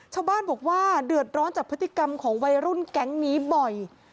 ชาวบ้านบอกว่าเดือดร้อนจากพฤติกรรมของวัยรุ่นแก๊งนี้บ่อย